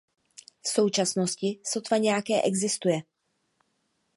V současnosti sotva nějaké existuje.